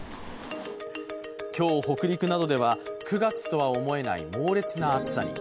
今日、北陸などでは９月とは思えない猛烈な暑さに。